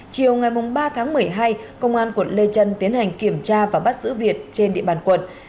chiều ngày ba tháng một mươi hai công an quận lê trân tiến hành kiểm tra và bắt giữ việt trên địa bàn quận